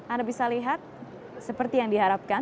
anda bisa lihat seperti yang diharapkan